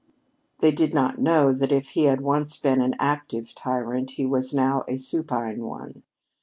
They did not know that if he had once been an active tyrant, he was now a supine one.